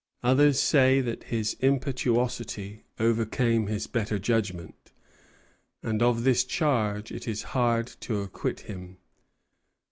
Others say that his impetuosity overcame his better judgment; and of this charge it is hard to acquit him.